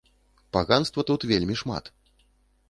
Паганства тут вельмі шмат.